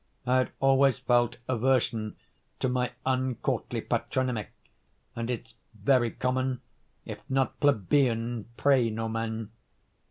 I had always felt aversion to my uncourtly patronymic, and its very common, if not plebeian praenomen.